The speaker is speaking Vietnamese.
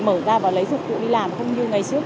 mở ra và lấy dụng cụ đi làm không như ngày trước